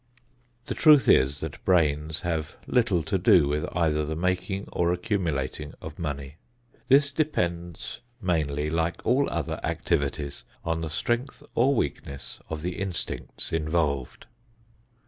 The truth is that brains have little to do with either the making or accumulating of money. This depends mainly, like all other activities, on the strength or weakness of the instincts involved.